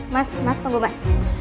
mas mas tunggu mas